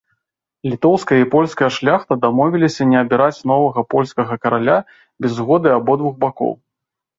Літоўская і польская шляхта дамовіліся не абіраць новага польскага караля без згоды абодвух бакоў.